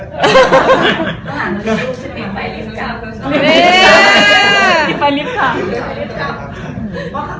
รับวิธีที่สองครับป๊อเจ้า